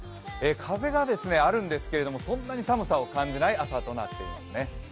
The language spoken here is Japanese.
風があるんですけれども、そんなに寒さを感じない朝となっていますね。